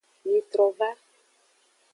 Mitrova.